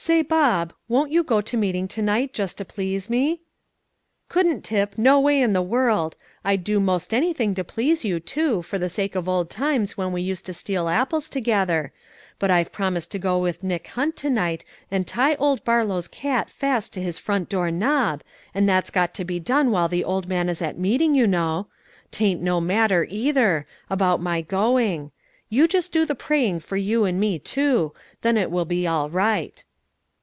"Say, Bob, won't you go to meeting to night, just to please me?" "Couldn't, Tip, no way in the world. I'd do most anything to please you, too, for the sake of old times when we used to steal apples together; but I've promised to go with Nick Hunt tonight, and tie old Barlow's cat fast to his frontdoor knob, and that's got to be done while the old man is at meeting, you know. 'Tain't no matter, either, about my going; you just do the praying for you and me too; then it will be all right."